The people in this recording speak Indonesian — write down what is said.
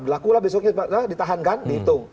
lakulah besoknya ditahankan dihitung